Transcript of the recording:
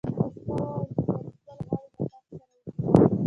عسکر وویل چې فریدګل غواړي له تاسو سره وګوري